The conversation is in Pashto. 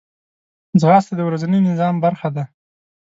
ځغاسته د ورځني نظام برخه ده